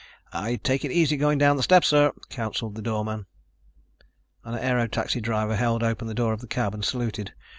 "I'd take it easy going down the step, sir," counseled the doorman. An aero taxi driver held open the door of the cab and saluted.